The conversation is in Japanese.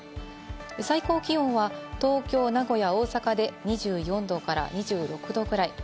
最高気温は東京、名古屋、大阪で２４度から２６度くらい。